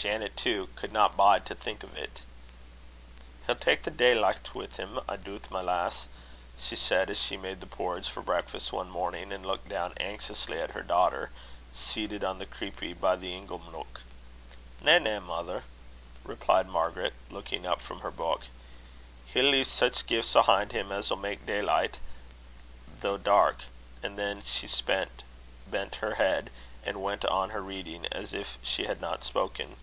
Janet, too, "cudna bide to think o't." "He'll tak' the daylicht wi' him, I doot, my lass," she said, as she made the porridge for breakfast one morning, and looked down anxiously at her daughter, seated on the creepie by the ingle neuk. "Na, na, mither," replied Margaret, looking up from her book; "he'll lea' sic gifts ahin' him as'll mak' daylicht i' the dark;" and then she bent her head and went on with her reading, as if she had not spoken.